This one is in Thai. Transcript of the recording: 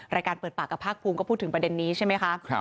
รายการเปิดปากกับภาคภูมิก็พูดถึงประเด็นนี้ใช่ไหมคะ